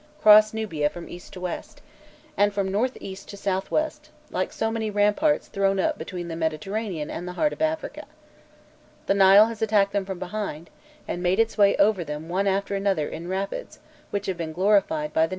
cross Nubia from east to west, and from north east to south west, like so many ramparts thrown up between the Mediterranean and the heart of Africa. The Nile has attacked them from behind, and made its way over them one after another in rapids which have been glorified by the name of cataracts.